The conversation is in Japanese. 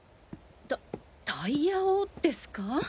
タタイヤをですか？